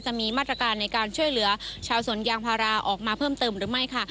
จะมีมาตรการในการช่วยเหลือชาวสวนยางพาราออกมาเพิ่มเติมหรือไม่ค่ะ